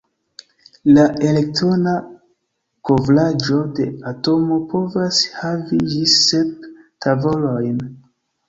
La elektrona kovraĵo de atomo povas havi ĝis sep tavolojn.